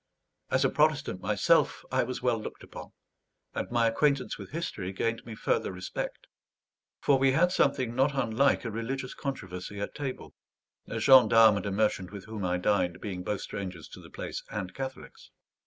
As a Protestant myself, I was well looked upon, and my acquaintance with history gained me further respect. For we had something not unlike a religious controversy at table, a gendarme and a merchant with whom I dined being both strangers to the place, and Catholics.